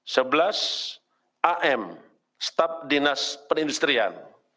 sebelas am staf dinas perindustrian